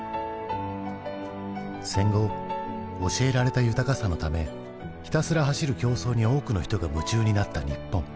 戦後教えられた豊かさのためひたすら走る競争に多くの人が夢中になった日本。